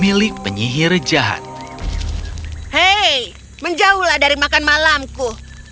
hei menjauhlah dari makan malamku